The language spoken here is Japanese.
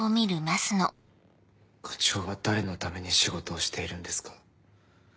課長は誰のために仕事をしているんですか。